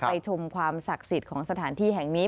ชมความศักดิ์สิทธิ์ของสถานที่แห่งนี้